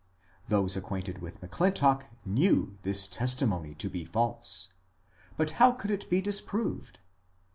Those acquainted with M'Clin tock knew this testimony to be false, but how could it be dis proved